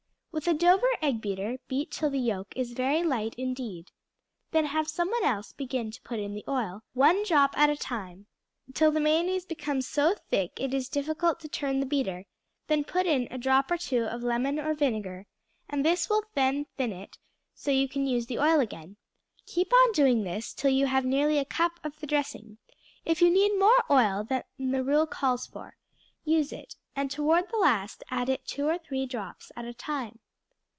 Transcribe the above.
With a Dover egg beater beat till the yolk is very light indeed; then have some one else begin to put in the oil, one drop at a time, till the mayonnaise becomes so thick it is difficult to turn the beater; then put in a drop or two of lemon or vinegar, and this will thin it so you can use the oil again; keep on doing this till you have nearly a cup of the dressing; if you need more oil than the rule calls for, use it, and toward the last add it two or three drops at a time.